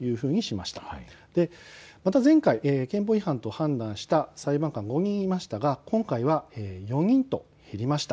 また前回、憲法違反と判断した裁判官５人いましたが、今回は４人と減りました。